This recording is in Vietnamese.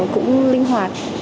cũng linh hoạt